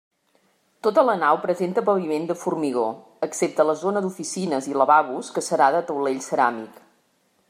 Tota la nau presenta paviment de formigó excepte la zona d'oficines i lavabos que serà de taulell ceràmic.